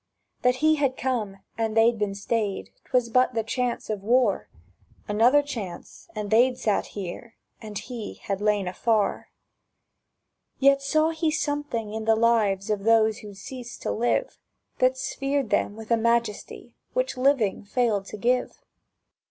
That he had come and they'd been stayed, 'Twas but the chance of war: Another chance, and they'd sat here, And he had lain afar. Yet saw he something in the lives Of those who'd ceased to live That sphered them with a majesty Which living failed to give.